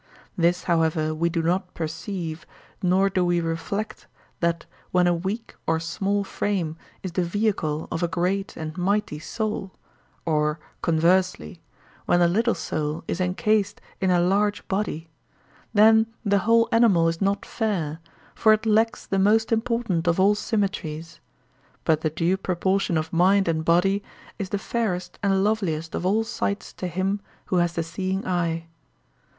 This however we do not perceive, nor do we reflect that when a weak or small frame is the vehicle of a great and mighty soul, or conversely, when a little soul is encased in a large body, then the whole animal is not fair, for it lacks the most important of all symmetries; but the due proportion of mind and body is the fairest and loveliest of all sights to him who has the seeing eye.